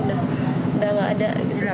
udah nggak ada